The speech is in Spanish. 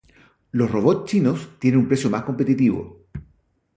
los robots chinos tienen un precio más competitivo